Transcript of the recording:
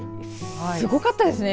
すごかったですね。